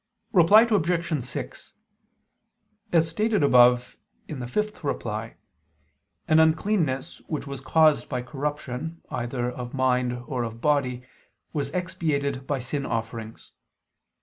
Reply Obj. 6: As stated above (ad 5), an uncleanness which was caused by corruption either of mind or of body was expiated by sin offerings.